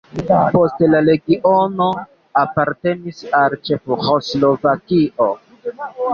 Poste la regiono apartenis al Ĉeĥoslovakio.